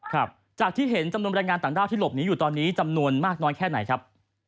ครับจากที่เห็นจำนวนแรงงานต่างด้าวที่หลบหนีอยู่ตอนนี้จำนวนมากน้อยแค่ไหนครับ